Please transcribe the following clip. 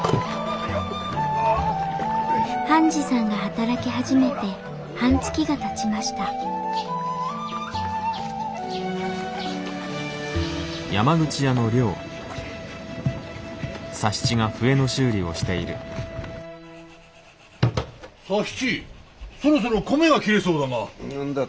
半次さんが働き始めて半月がたちました佐七そろそろ米が切れそうだが。